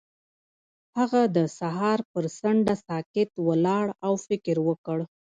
هغه د سهار پر څنډه ساکت ولاړ او فکر وکړ.